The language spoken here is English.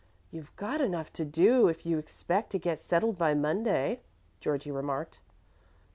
"You've got enough to do if you expect to get settled by Monday," Georgie remarked.